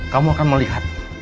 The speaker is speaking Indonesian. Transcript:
kamu akan melihat